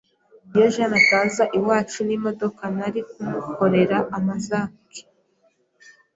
Iyo Jane ataza iwacu n'imodoka, nari kumukorera amazake.